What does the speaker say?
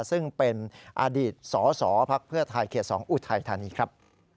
ซึ่งเป็นอดีตสอสอพรรคเพื่อทายเขียนสองอุทธายธานีครับ